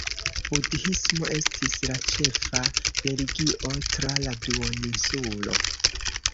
Budhismo estis la ĉefa religio tra la duoninsulo.